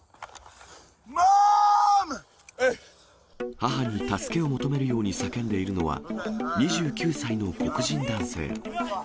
母に助けを求めるように叫んでいるのは、２９歳の黒人男性。